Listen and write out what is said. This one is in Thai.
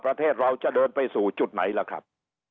ประเทศเราจะเดินไปสู่จุดไหนล่ะครับ